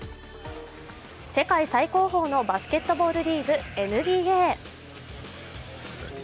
世界最高峰のバスケットボールリーグ・ＮＢＡ。